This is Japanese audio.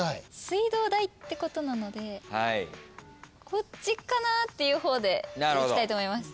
水道代ってことなのでこっちかなっていう方でいきたいと思います。